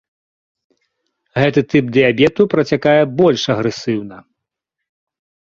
Гэты тып дыябету працякае больш агрэсіўна.